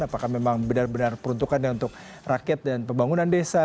apakah memang benar benar peruntukannya untuk rakyat dan pembangunan desa